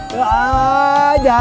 dipedal kaki aja